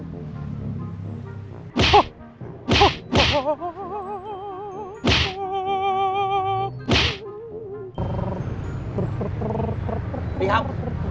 สวัสดีครับ